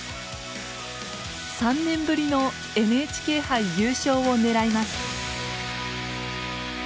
３年ぶりのＮＨＫ杯優勝を狙います。